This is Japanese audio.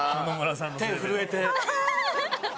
手震えて。